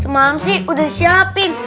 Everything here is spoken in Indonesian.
semalam sih udah disiapin